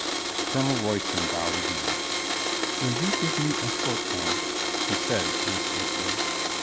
Colonel Royston bowed .again. "Will you give me escort home?" she said list lessly.